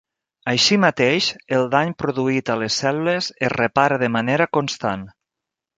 Així mateix, el dany produït a les cèl·lules es repara de manera constant.